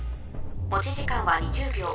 持ち時間は２０秒。